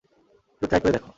একটু ট্রাই করে দেখো।